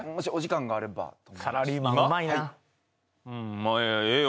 まあええよ。